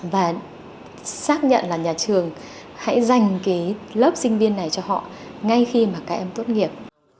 và xác nhận là nhà trường hãy dành cái lớp sinh viên này cho họ ngay khi mà các em tốt nghiệp